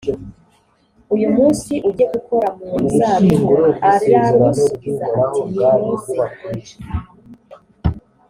uyu munsi ujye gukora mu ruzabibu aramusubiza ati nimuze